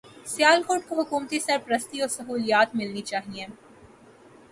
سیالکوٹ کو حکومتی سرپرستی و سہولیات ملنی چاہیے